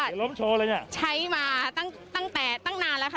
เดี๋ยวล้มโชว์เลยเนี่ยใช้มาตั้งแต่ตั้งนานแล้วค่ะ